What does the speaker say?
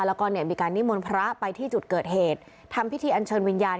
แล้วก็เนี่ยมีการนิมนต์พระไปที่จุดเกิดเหตุทำพิธีอันเชิญวิญญาณ